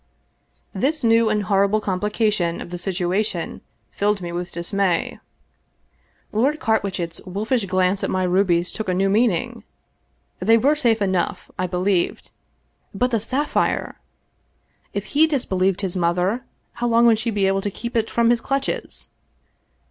This new and horrible complication of the situation filled 282 The Great Valdez Sapphire me with dismay. Lord Carwitchet's wolfish glance at my rubies took a new meaning. They were safe enough, I be lieved — but the sapphire ! If he disbelieved his mother, how long would she be able to keep it from his. clutches